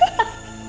itu dia pak